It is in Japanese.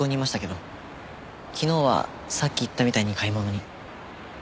昨日はさっき言ったみたいに買い物に。